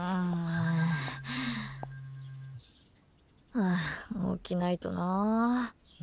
はあ、起きないとな。